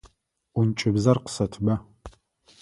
Ӏункӏыбзэр къысэтба.